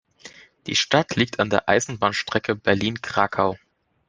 Die Stadt liegt an der Eisenbahnstrecke Berlin–Krakau.